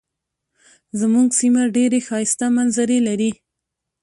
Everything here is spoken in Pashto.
زمونږ سیمه ډیرې ښایسته منظرې لري.